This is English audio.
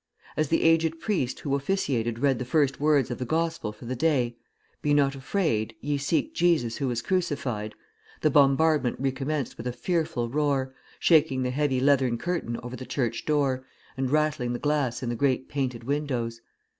As the aged priest who officiated read the first words of the Gospel for the day, 'Be not afraid, ye seek Jesus who was crucified,' the bombardment recommenced with a fearful roar, shaking the heavy leathern curtain over the church door, and rattling the glass in the great painted windows.